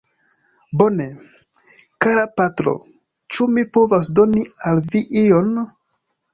Bone, kara patro; ĉu mi povas doni al vi ion?